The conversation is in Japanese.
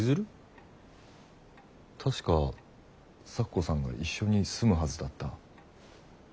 確か咲子さんが一緒に住むはずだった。